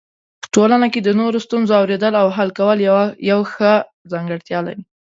په ټولنه کې د نورو ستونزو اورېدل او حل کول یو ښه ځانګړتیا ده.